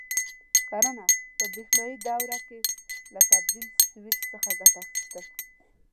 کړنه: په برېښنایي دوره کې له تبدیل سویچ څخه ګټه اخیستل: